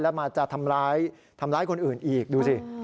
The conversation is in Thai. แล้วมาจะทำร้ายทำร้ายคนอื่นอีกดูสิ